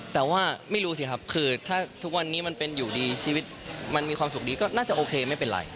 แต่ว่าไม่รู้สิครับคือถ้าทุกวันนี้มันเป็นอยู่ดีชีวิตมันมีความสุขดีก็น่าจะโอเคไม่เป็นไร